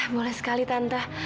boleh sekali tante